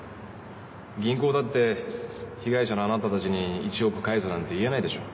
銀行だって被害者のあなたたちに１億返せなんて言えないでしょう。